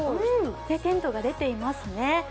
テントが出てきますね。